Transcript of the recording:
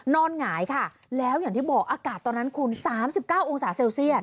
นอนหงายค่ะแล้วอย่างที่บอกอากาศตอนนั้นคุณสามสิบเก้าองศาเซลเซียต